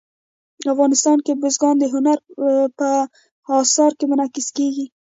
افغانستان کې بزګان د هنر په اثار کې منعکس کېږي.